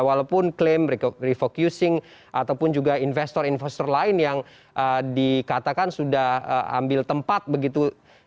walaupun klaim refocusing ataupun juga investor investor lain yang dikatakan sudah ambil tempat begitu